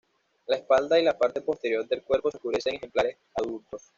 La espalda y la parte posterior del cuerpo se oscurece en ejemplares adultos.